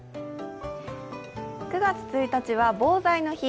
９月１日は防災の日。